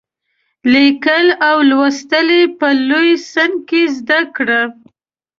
لیکل او لوستل یې په لوی سن کې زده کړل.